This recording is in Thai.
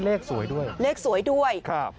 เลขสวยด้วยเลขสวยด้วยครับ